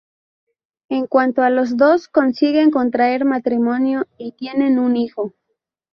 En cuanto a los dos, consiguen contraer matrimonio y tienen un hijo.